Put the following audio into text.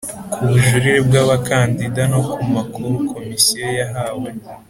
ku bujurire bw abakandida no ku makuru Komisiyo yahawe